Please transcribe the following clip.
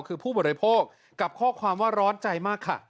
คือผู้บริโภคกับข้อความว่าร้อนใจมากค่ะ